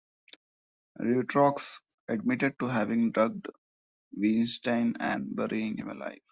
Dutroux admitted to having drugged Weinstein and burying him alive.